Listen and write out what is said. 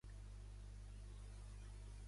Faig la feina dels imants.